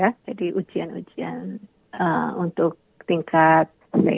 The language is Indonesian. jadi ujian ujian untuk tingkat